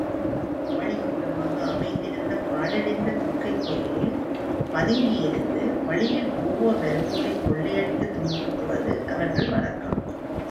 வழி ஓரமாக அமைந்திருந்த பாழடைந்த துர்க்கை கோயிலில் பதுங்கியிருந்து வழியில் வருவோர் போவோரைக் கொள்ளையடித்துத் துன்புறுத்துவது அவர்கள் வழக்கம்.